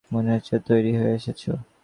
মনে হচ্ছে তৈরি হয়ে এসেছ।